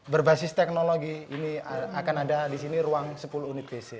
berbasis teknologi ini akan ada disini ruang sepuluh unit dc